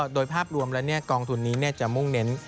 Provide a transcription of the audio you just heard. โดยภาพรวมแล้วกองทุนนี้จะมุ่งเน้น